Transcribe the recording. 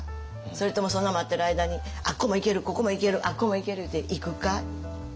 それともその待ってる間にあっこも行けるここも行けるあっこも行けるいうて行くか？